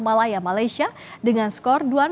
di laga kedua uzbekistan menang dua